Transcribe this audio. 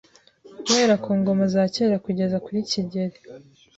Guhera ku ngoma za kera kugeza kuri Kigeli